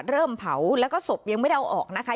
เริ่มเผาแล้วก็ศพยังไม่ได้เอาออกนะคะ